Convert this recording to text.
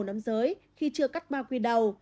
năm giới khi chưa cắt bao quy đầu